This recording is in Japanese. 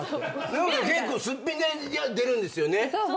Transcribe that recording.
ナオコさん結構すっぴんで出るんですよね。